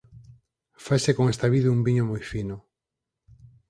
Faise con esta vide un viño moi fino.